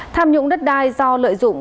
tham nhũng đất đai do lợi dụng